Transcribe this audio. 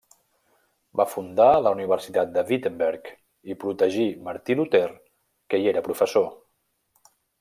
Va fundar la Universitat de Wittenberg i protegir Martí Luter que hi era professor.